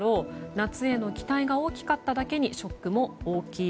夏への期待が大きかっただけにショックも大きい。